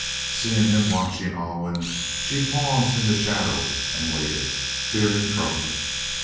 Seeing him watching Alwyn she paused in the shadow and waited, fearing trouble.